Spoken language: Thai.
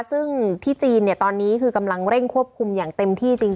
ซึ่งที่จีนตอนนี้คือกำลังเร่งควบคุมอย่างเต็มที่จริง